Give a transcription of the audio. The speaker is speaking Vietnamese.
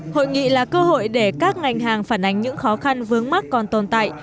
hội nghị là cơ hội để các ngành hàng phản ánh những khó khăn vướng mắt còn tồn tại